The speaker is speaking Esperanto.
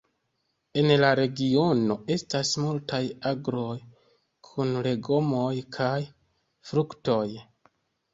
En la regiono estas multaj agroj kun legomoj kaj fruktoj.